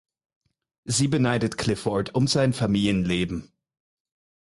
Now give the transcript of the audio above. Sie beneidet Clifford um sein Familienleben.